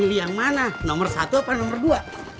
lu mau milih yang mana nomor satu apa nomor dua